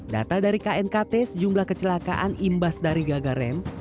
data dari knkt sejumlah kecelakaan imbas dari gagarem